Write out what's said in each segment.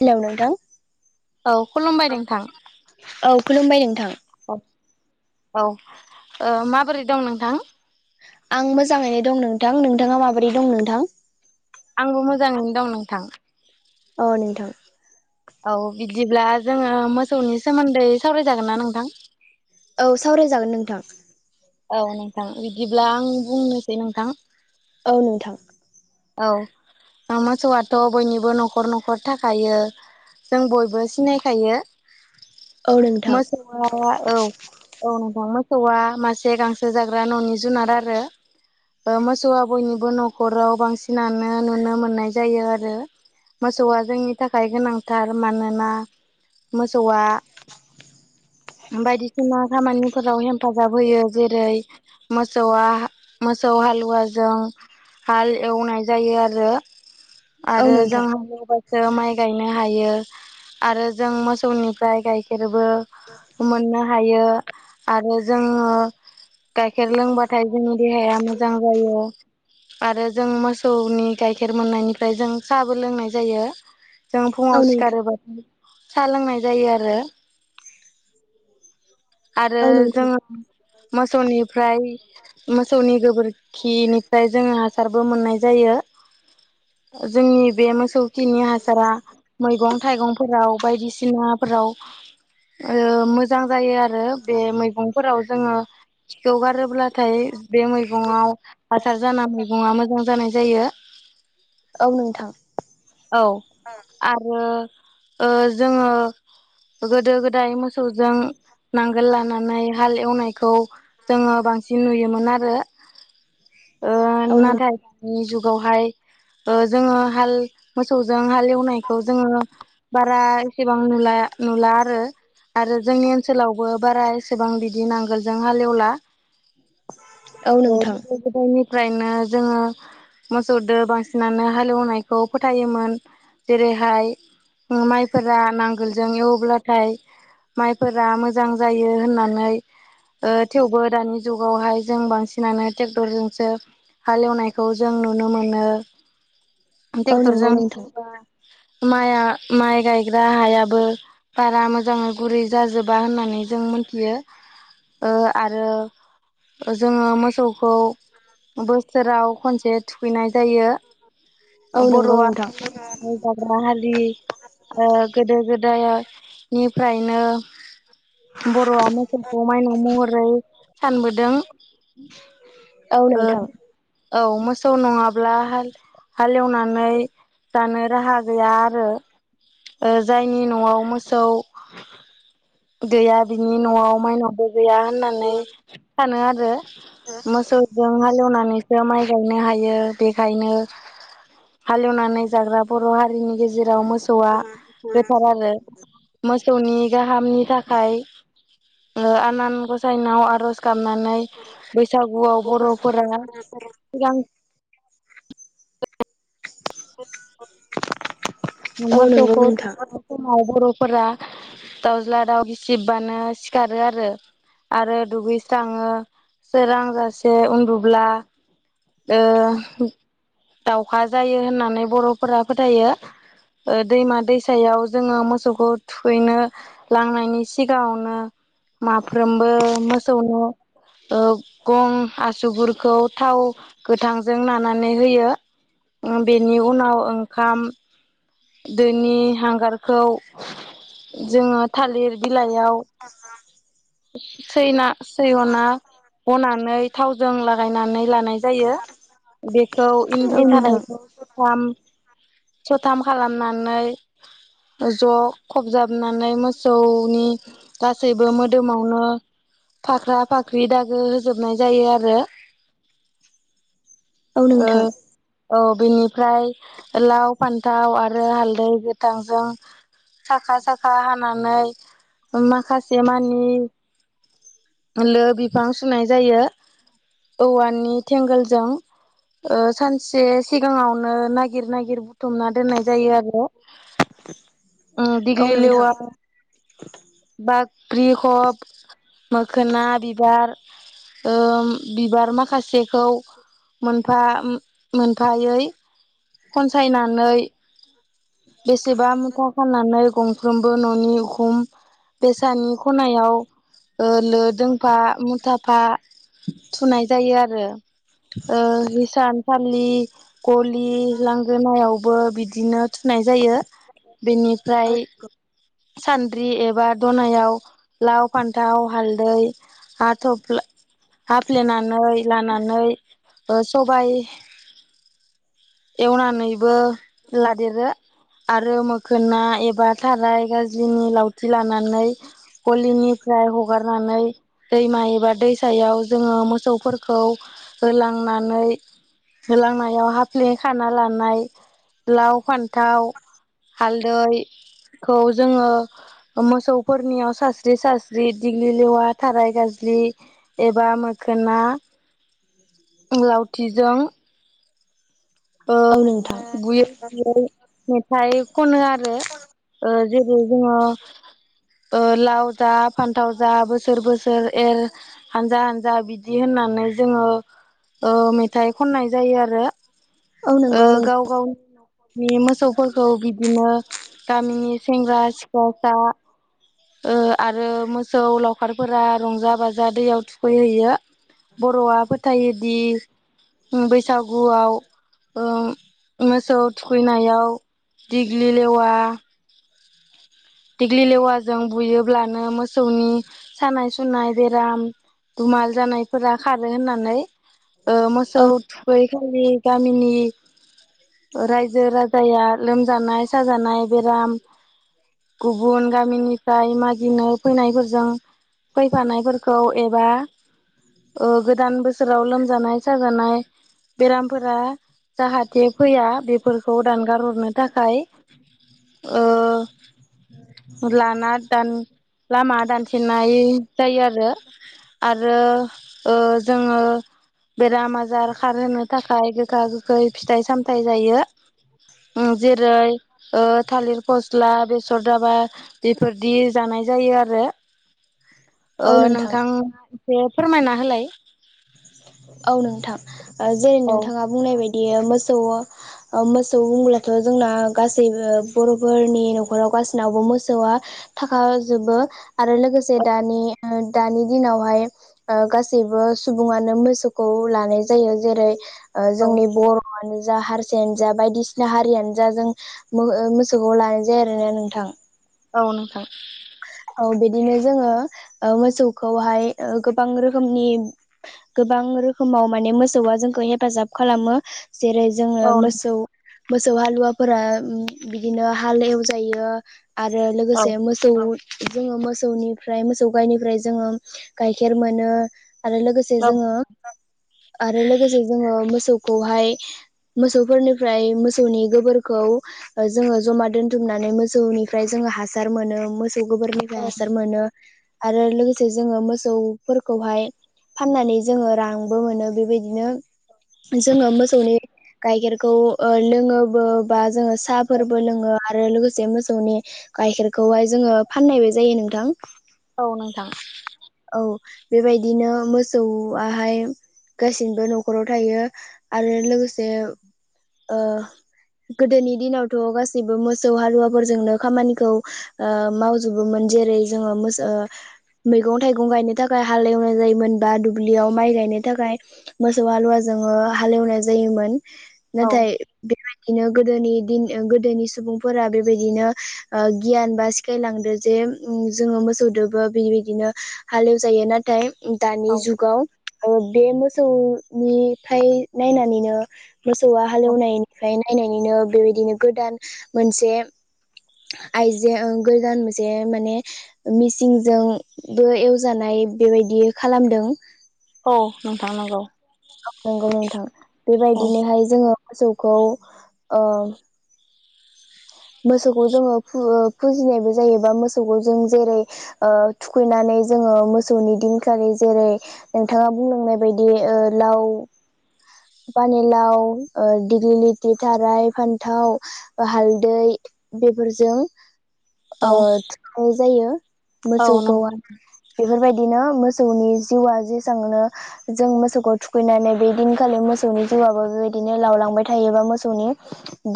Hello नोंथां औ खुलुमबाय नोंथां औ खुलुमबाय नोंथां औ औ ओ माबोरै दं नोंथां? आं मोजाङैनो दं नोंथां नोंथाङा माबोरै दं नोंथां? आंबो मोजाङैनो दं नोंथां औ नोंथां औ बिदिब्ला जोङो मोसौनि सोमोन्दै सावरायजागोन ना नोंथां? औ सावरायजागोन नोंथां औ नोंथां बिदिब्ला आं बुंनोसै नोंथां औ नोंथां औ मोसौआथ' बयनिबो न'खर न'खर थाखायो। जों बयबो सिनायखायो औ नोंथां ा औ औ नोंथां मोसौआ मासे गांसो जाग्रा न'नि जुनार आरो ओ मोसौआ बयनिबो न'खराव बांसिनानो नुनो मोननाय जायो आरो मोसौआ जोंनि थाखाय गोनांथार मानोना मोसौआ बायदिसिना खामानिफोराव हेफाजाब होयो जेरै मोसौआ मोसौ हालुवाजों हाल एवनाय जायो आरो औ आरो जों नोंथां हाल माइ गायनो हायो आरो जों मोसौनिफ्राय गाइखेर गाइखेरबो मोननो हायो। आरो जोंङो गाइखेर लोंबाथाय जोंनि देहाया मोजां जायो। आरो जों मोसौ मोसौनि गाइखेर मोननायनिफ्राय जों साहाबो लोंनाय जायो जों फुङाव औ नोंथां सिखारोबाथाय साहा लोंनाय जायो आरो आरो औ नोंथां जोङो मोसौनिफ्राय मोसौनि गोबोरखिनिफ्राय जोङो हासारबो मोननाय जायो। जोंनि बे मोसौ खिनि हासारा मैगं थाइगंफोराव बायदिसिनाफोराव ओ मोजां जायो आरो आरो बे मैगंफोराव जोङो खिखौगारोब्लाथाय बे मैगङाव हासार जाना मैगङा मोजां जानाय जायो। औ नोंथां औ आरो ओ जोंङो गोदो गोदाय मोसौजों नांगोल लानानै हाल एवनायखौ जोङो बांसिन नुयोमोन आरो ओ औ नों नाथाय दानि जुगावहाय ओ जोःङो हाल मोसौजों हाल एवनायखौ जोंङो बारा एसेबां नुला नुला आरो आरो जोंनि ओनसो लावबो बारा एसेबां बिदि नांगोलजों हालेवला औ नोंथां गोदायनिफ्रायनो जोंङो। मोसौदो बांसिनानो हालेवनायखौ फोथायोमोन जेरैहाय माइफोरा नांगोलजों एवब्लाथाय माइफो रा मोजां जायो होननानै ओ थेवबो दानि जुगावहाय जों बांसिनानो टेक्टरजोंसो हालेवनायखौ जों नुनो मोनो औ नंगौ ट्रेक्टरजों नोंथां नायोबा माइआ माइ गायग्रा हायाबो बारा मोजांङै गुरै जाजोबा होननानै जों मोनथियो ओ आरो जोंङो मोसौखौ बोसोराव खनसे थुखैनाय जायो। औ नंगौ बर'आ नोंथां [unintelligible] दाग्रा हालि गोदो ओ गोदायनिफ्रायनो बर'आ मोसौखौ माइनाव महरै सानबोदों औ ओ नोंथां औ मोसौ नङाब्ला हालेवनानै जानो राहा गैया आरो ओ जायनि न'आव मोसौ गैया बिनि न'आव माइनावबो गैया होननानै सानो आरो मोसौजों हालेवनानैसो माइ [unintelligible] हायो बेखायनो हालेवनानै जाग्रा बर' हारिनि गेजेराव मोसा [unintelligible] मोसौनि गाहामनि थाखाय आनान ओ गसाइनाव आरज खामनानै बैसागुआव बर'फोरा सिगां [unintelligible] औ नंगौ मोसौखौ नोंथां थुखैनाय समाव बर'फोरा दाउज्ला दाउ गिसिबानो सिखारो आरो आरो दुगैस्राङो सोरांजासे उन्दुब्ला ओ दाउखा जायो होननानै बर'फोरा फोथायो। ओ दैमा दैसायाव जोङो मोसौखौ थुखैनो लांनायनि सिगाङावनो माफ्रोमबो मोसौनो ओ गं आसुगुरखौ थाव गोथांजों नानानै होयो बेनि ओ उनाव ओंखाम दैनि हांगारखौ जोङो थालिर बिलाइयाव सैना सैयना हनानै थावजों लागायनानै लानाय जायो। बेखौ औ इन्दि नोंथां थानायखौ सथाम हथाम खालामनानै ज' खबजाबनानै मोसौनि गासैबो मोदोमावनो फाख्रा फाख्रि दागो होजोबनाय जायो आरो। औ नोंथां औ बेनिफ्राय लाव फान थाव आरो हालदै गोथांजों साखा साखा हानानै माखासे मानि लो बिफां सुनाय जायो औवानि थेंगोलजों ओ सानसे सिगाङावनो नागिर नागिर बुथुमना दोननाय जायो आरो उम औ दिग्लि नोंथां लेवा बाख्रि खब मोखोना बिबार। ओ बिबार माखासेखौ मोनफा मोनफायै खनसायना नै बेसेबा मुथा खानानै गं जोंबो न'नि उखुम दैसानि ख'नायाव ओ लो दोंफा मुथाफा थुनाय जायो आरो। ओ हिसान सालि गलि लांगोनायाव बो बिदिनो थुनाय जायो बिनिफ्राय सान द्रि एबा दनायाव लाव फान्थाव हालदै हाथ'फ्ला हाफ्लेनानै लानानै ओ सबाय एवनानैबो लादेरो। आरो मोखोना एबा थाराय गाज्लिनि लावथि लानानै गलिनिफ्राय हगारनानै दैमा एबा दैसायाव जोङो मोसौफोरखौ होलांनानै होलांनायाव हाफ्ले खाना लानाय लाव फान्थाव हालदैखौ जोङो मोसौफोरनियाव सास्रि सास्रि दिग्लि लेवा थाराय गाज्लि एबा मोखोना लावथिजों औ नोंथां। बुयै बुयै मेथाइ खनो आरो ओ जेरै जोङो ओ लाव जा फान्थाव जा बोसोर बोसोर एर हानजा हानजा बिदि होननानै जोङो ओ मेथाइ खननाय जायो आरो। औ नंगौ नों गाव गावनि न' नि मोसौफोरखौ बिदिनो गामिनि सेंग्रा सिख्लाफ्रा ओ आरो मोसौ लावखारफोरा रंजा बाजा दैयाव थुखैहैयो। बर'आ फोथायोदि उम बैसागुआव ओ मोसौ थुखैनायाव दिग्लि लेवा दिग्लि लेवाजों बुयोब्लानो मोसौनि सानाय सु सुनाय बेराम दुमाल जानायफोरा खारो होननानै। ओ मोसौ औ थुखै खालि गामिनि ओ रायजो राजाया लोमजानाय साजानाय बेराम गुबुन गामिनिफ्राय मागिनो फैनायफोरजों फैफानायफोरखौ एबा ओ गोदान बोसोराव लोमजानाय साजानाय बेरामफोरा जाहाथे फैया बेफोरखौ दानगार हरनो थाखाय ओ लाना दान लामा दानथेनाय जायो आरो आरो जोङो बेराम आजार खारहोनो थाखाय गोखा गोखै फिथाइ सामथायाइ जायो जेरै थालिर फस्ला बेसर दाबा। बेफोरदि जानाय जायो आरो ओ नोंथां। एसे फोरमायना होलाय। औ नोंथां ओ जेरै औ नोंथाङा बुंनाय बायदि मोसौ ओ मोसौ बुंब्लाथ' जोंना गासैबो बर'फोरनि न'खराव गासैनावबो मोसौआ थाखा जोबो। आरो लोगोसे औ दानि दानि दिनावहाय ओ गासैबो सुबुङानो मोसौ खौ लानाय जायो जेरै ओ औ जोंनि बर' हनो जा हारसायानो जा बायदिसिना हारियानो जा जों मोसौखौ लानाय जायो आरोना नोंथां। औ नोंथां औ बिदिनो जोङो मोसौखौहाय गोबां रोखोमनि गोबां रोखोमाव माने मोसौआ जोंखौ हेफाजाब खालामो जेरै जोंङो औ मोसौ मोसौ हालुवाफोरा बिदिनो हाल एवजायो आरो औ लोगोसे मोसौ जोंङो मोसौनिफ्राय मोसौ गायनिफ्राय जोंङो गाइखेर मोनो आरो लोगोसे औ जोंङो आरो लोगोसे जोंङो मोसौखौहाय मोसौफोरनिफ्राय मोसौनि गोबोरखौ जोंङो जमा दोन्थुमनानै मोसौनिफ्राय जोंङो हासार मोनो मो गोबोरनिफ्राय औ हासार मोनो आरो लोगोसे जोंङो मोसौफोरखौहाय फाननानै जोंङो रांबो मोनो बेबायदिनो जोंङो मोसौनि गाइखेरखौ लोङोबो बा जोंङो साहा औ फोरबो लोंङो आरो लोगोसे मोसौनि गाइखेरखौहाय जोंङो फाननायबो जायो नोंथां औ नोंथां औ बेबायदिनो मोसौआहाय गासिबो न'खराव थायो आरो लोगोसे गोदोनि दिनावथ' गासिबो मोसौ हालुवाफोरजोंनो खामानिखौ ओ माव जोबो जेरै जों औ मैगं थाइगं गायनो थाखाय हाल एवनाय जायोमोन बा दुब्लियाव माइ गायनो थाखाय मोसौ हालुवा जोंङो हालेवनाय जायोमोन औ नाथाय बेबायदिनो गोदोनि दिन गोदोनि सुबुंफोरा बेबायदिनो गियान बा सिखायलांदो जे जोंङो मोसौदबो बेबायदिनो हालेवजायो नाथाय औ दानि जुगाव बे मोसौनिफ्राय नायनानैनो मोसौआ हालेव ओमफफ्राय नायनानैनो बेबायदिनो गोदान मोनसे आइजो गोदान मोन से माने मिसिंजोंबो एवजानाय बेबायदि खालामदों औ नोंथां नांगौ औ नंगौ नोंथां औ बेबायदिनोहाय जोंङो मोसौखौ ओ मोसौखौ जोंङो फुजिनायबो जायोबा मोसौखौ जों जेरै ओ थुखैनानै जोंङो मोसौनि दिनखालि जेरै नोंथांङा बुंलांनाय बायदि लाव पानिलाव दिग्लिलिथि थाराय फान्थाव हालदि दै बेफोरजों ओ औ थुखैनाय जायो। औ मोसौखौ नंगौ बेफोरबायदिनो मोसौनि जिउआ जेसेबांनो जों मोसौखौ थुखैनानै बे दिनखालि मोसौनि जिउआबो बेबायदिनो लावलांबाय थायोबा मोसौनि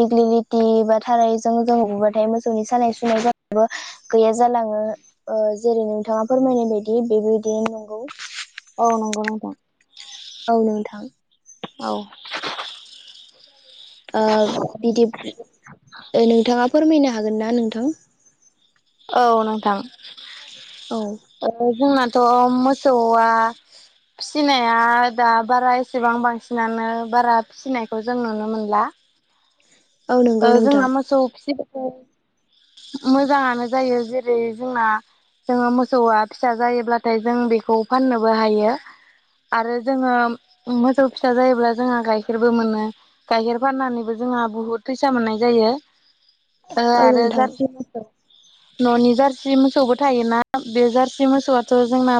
दिग्लिलिटि बा थारैजों जों बुबाथाय मोसौनि सानाय सुनाय जानायाबो गैया जालांङो। जेरै- नोंथांङा फोरमायनाय बायदि बेबायदिनो नंगौ औ नंगौ नोंथां। औ नोंथां। औ ओ बिदि, नोंथांङा फोरमायनो हागोन ना नोंथां? औ नोंथां औ जोंनाथ' मोसौआ फिसिनाया दा बारा एसेबां बांसिनानो बारा फिसिनायखौ जों नुनो मोनला औ नंगौ ओ नोंथां जोंना मोसौ फिसिनायखौ मोजांङानो जायो जेरै जोंना ओ जोंङो मोसौआ फिसा जायोब्लाथाय जों बेखौ फाननोबो हायो आरो जोंङो मोसौ फिसा जायोब्ला जोंङो गाइखेरबो मोनो गाइखेर फाननानैबो जोंहा बुहुत फैसा मोननाय जायो। ओ औ आरो नोंथां जारसि मोसौ न'नि जारसि मोसौबो थायोना बे जारसि मोसौआथ' जोंना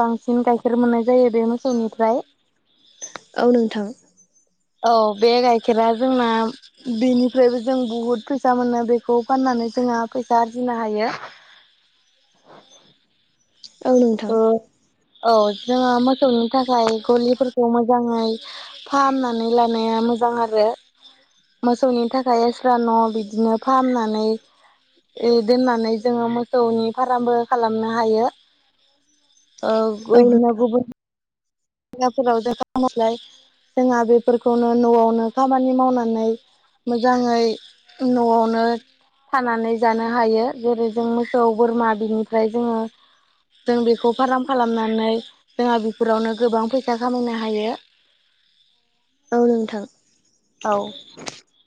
बांसिन गाइखेर मोननाय जायो बे मोसौनिफ्राय। औ नोंथां। औ बे गाइखेरा जोंना बेनिफ्रायबो जों बुहुद फैसा मोनो। बेखौ फाननानै जोंहा फैसा आरजिनो हायो। औ नोंथां ओ औ जोङो मोसौनि थाखाय गलिफोरखौ मोजाङै फाहामनानै लानाया मोजां आरो। मोसौनि थाखाय एस्रा न' बिदिनो फाहामनानै ओ दोननानै जोङो मोसौनि फारामबो खालामनो हायो। ओ औ इदिनो नोंथां गुबुन जायगाफोराव [unintelligible] जोंहा बेफोरखौनो न'आवनो खामानि मावनानै मोजाङै न'आवनो थानानै जानो हायो। जेरै- जों मोसौ बोरमा बिनिफ्राय जोङो जों बेखौ फार्म खालामनानै जोंहा बिफोरावनो गोबां फैसा खामायनो हायो। औ नोंथां। औ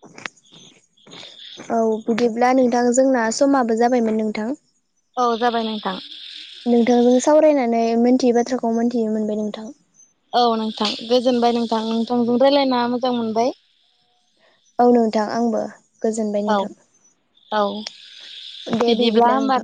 [inaudible] औ बिदिब्ला नोंथां जोंना समाबो जाबायमोन नोंथां। औ जाबाय नोंथां। नोंथांजों सावरायनानै मिथियै बाथ्राखौ मोनथिनो मोनबाय नोंथां। औ नोंथां गोजोनबाय नोंथां। नोंथांजों रायलायना मोजां मोनबाय। औ नोंथां आंबो गोजोनबाय नोंथां। दे दे बिदिब्ला नोंथां होमबा